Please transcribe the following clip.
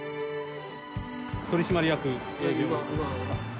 取締役。